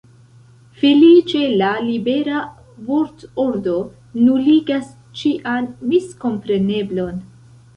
Feliĉe la libera vortordo nuligas ĉian miskompreneblon.